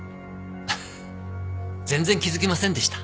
ハハッ全然気づきませんでした。